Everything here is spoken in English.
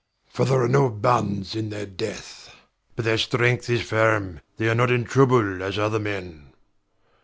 For there are no bands in their death; But their strength is firm: They are not in trouble as other men.